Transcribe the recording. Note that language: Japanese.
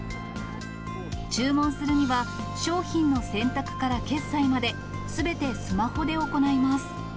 注文するには、商品の選択から決済まで、すべてスマホで行います。